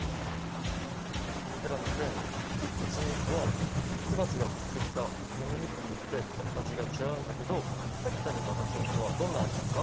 クラムくんはちみつはみつばちがとってきた花のみつによって味がちがうんだけどさっきたべたはちみつはどんな味だった？